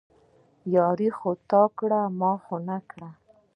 ياري خو تا کړه، ما خو نه کړه